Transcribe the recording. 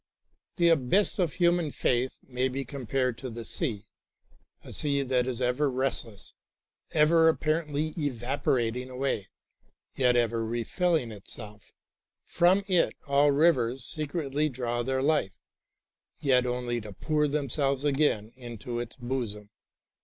The abyss of human faith may be compared to the sea, a sea that is ever restless, ever apparently evaporating away, yet ever refilling itself. From it all rivers secretly draw their life, yet only to pour themselves again into its bosom.